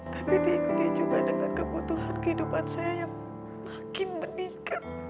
tapi diikuti juga dengan kebutuhan kehidupan saya yang makin meningkat